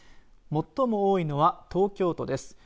最も多いのは東京都です。